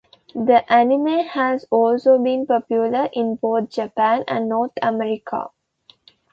The anime has also been popular in both Japan and North America.